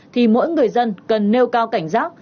thì mỗi người dân cần nêu cao cảnh giác